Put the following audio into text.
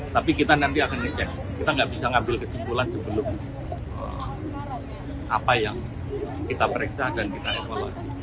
tapi kita nanti akan ngecek kita nggak bisa ngambil kesimpulan sebelum apa yang kita periksa dan kita evaluasi